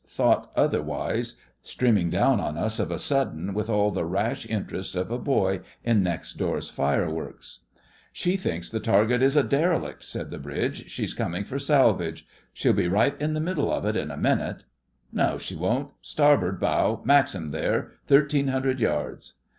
thought otherwise, streaming down on us of a sudden with all the rash interest of a boy in next door's fireworks. 'She thinks the target is a derelict,' said the bridge. 'She's coming for salvage. She'll be right in the middle of it in a minute.' 'No, she won't. Starboard bow Maxim there—thirteen hundred yards.